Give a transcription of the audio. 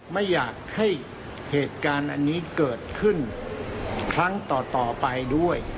ไม่อยากให้เหตุการณ์อันนี้เกิดขึ้นครั้งต่อไปด้วย